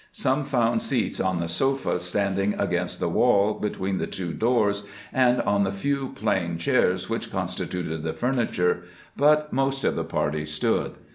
Some found seats on the sofa standing against the wall between the two doors and on the few plain chairs which constituted the furniture, but most of the party stood.